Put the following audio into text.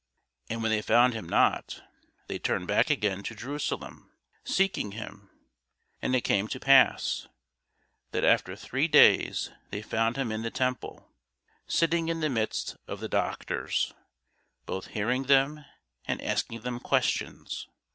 And when they found him not, they turned back again to Jerusalem, seeking him. And it came to pass, that after three days they found him in the temple, sitting in the midst of the doctors, both hearing them, and asking them questions.